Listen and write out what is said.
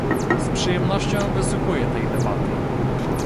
Z przyjemnością wysłuchuję tej debaty